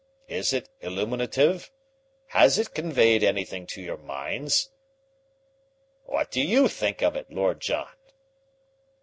Is it illuminative? Has it conveyed anything to your minds? What do you think of it, Lord John?"